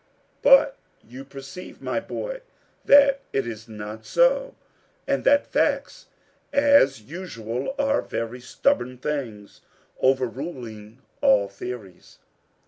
"But you perceive, my boy, that it is not so, and that facts, as usual, are very stubborn things, overruling all theories."